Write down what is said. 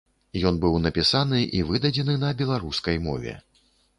Ён быў напісаны і выдадзены на беларускай мове.